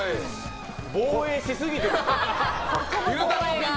防衛しすぎてるでしょ。